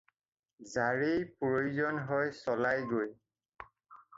যাৰেই প্ৰয়োজন হয় চলায়গৈ।